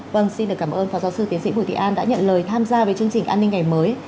vâng xin được cảm ơn phó giáo sư tiến sĩ bùi thị an đã nhận lời tham gia với chương trình an ninh ngày mới